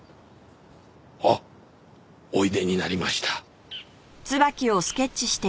ああおいでになりました。